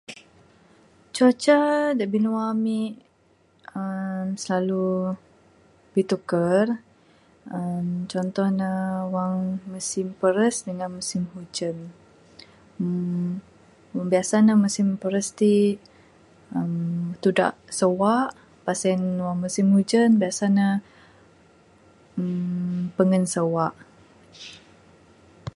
Cuaca dak binua ami uhh silalu bitukar, uhh contoh ne wang musim peras dengan musim hujan. uhh... biasa ne musim peras ti uhh... tuda sewa pas sien wang musim ujan biasa ne uhh pengan sewa.